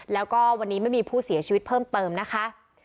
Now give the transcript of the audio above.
แล้วก็วันนี้ไม่มีผู้เสียชีวิตเพิ่มเติมนะคะ